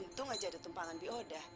untung saja ada tempatan bioda